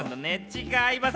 違います。